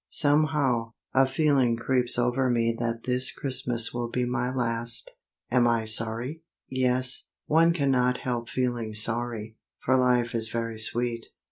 Somehow, a feeling creeps over me that this Christmas will be my last. Am I sorry? Yes, one cannot help feeling sorry, for life is very sweet.